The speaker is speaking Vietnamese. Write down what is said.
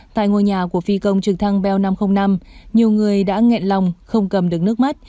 tại ngôi nhà của phi công trực thăng bel năm trăm linh năm nhiều người đã nghẹn lòng không cầm được nước mắt